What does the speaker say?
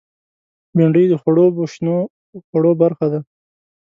بېنډۍ د خړوبو شنو خوړو برخه ده